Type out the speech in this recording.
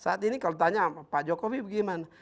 saat ini kalau ditanya pak jokowi bagaimana